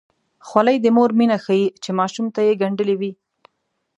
خولۍ د مور مینه ښيي چې ماشوم ته یې ګنډلې وي.